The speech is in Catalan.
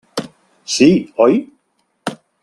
Sí, oi?